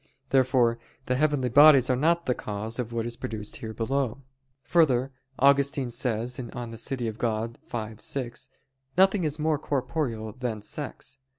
Therefore the heavenly bodies are not the cause of what is produced here below. Obj. 4: Further, Augustine says (De Civ. Dei v, 6): "Nothing is more corporeal than sex."